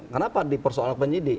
kenapa di persoalan penyidik